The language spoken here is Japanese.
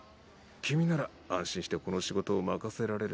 君なら安心してこの仕事を任せられる。